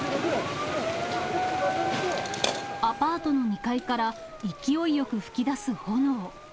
アパートの２階から勢いよく噴き出す炎。